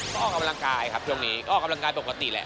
ก็ออกกำลังกายครับช่วงนี้ก็ออกกำลังกายปกติแหละ